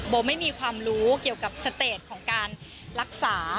ไม่มีความรู้เกี่ยวกับสเตจของการรักษา